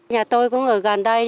nhà tôi cũng ở gần đây